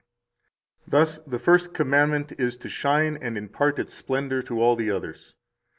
326 Thus the First Commandment is to shine and impart its splendor to all the others.